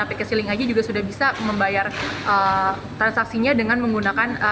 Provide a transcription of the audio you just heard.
aplikasi linkaja juga sudah bisa membayar transaksinya dengan menggunakan